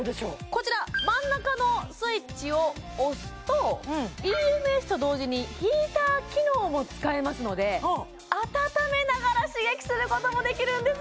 こちら真ん中のスイッチを押すとＥＭＳと同時にヒーター機能も使えますので温めながら刺激することもできるんです